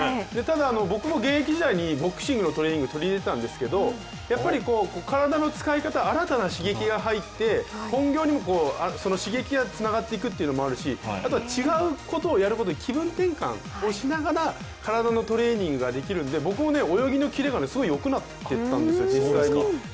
ただ、僕も現役時代にボクシングのトレーニング取り入れてたんですけどやっぱり体の使い方、新たな刺激が入って本業にもその刺激がつながっていくというのもあるしあとは違うことをやることで気分転換をしながら体のトレーニングができるんで僕も泳ぎのキレがすごいよくなってったんですよ、実際に。